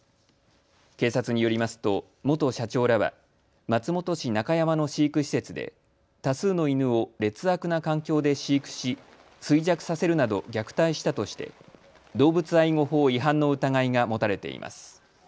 警察によりますと元社長らは松本市中山の飼育施設で多数の犬を劣悪な環境で飼育し衰弱させるなど虐待したとして動物愛護法違反の疑いが持たれています。